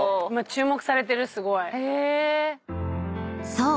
［そう。